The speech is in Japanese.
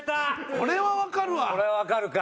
これはわかるか。